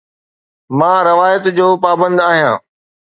مان روايت جو پابند آهيان